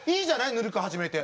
ぬるく始めて。